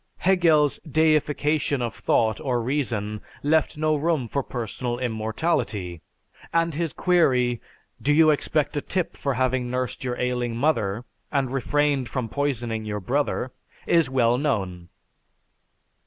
Hegel's deification of thought or reason left no room for personal immortality, and his query, "Do you expect a tip for having nursed your ailing mother, and refrained from poisoning your brother?" is well known.